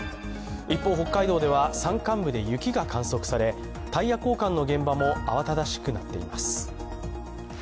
一方、北海道では山間部で雪が観測されタイヤ交換の現場も慌ただしくなっています。